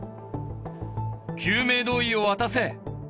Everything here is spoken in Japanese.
救命胴衣を渡せ！